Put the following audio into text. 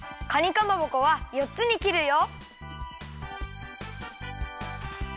かまぼこはよっつにきるよ。